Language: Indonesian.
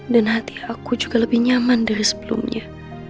dan hati aku juga lebih nyaman dari sebelumnya